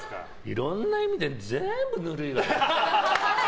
いろんな意味で全部ヌルいわよ。